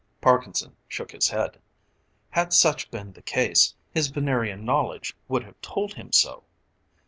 Parkinson shook his head. Had such been the case, his Venerian knowledge would have told him so.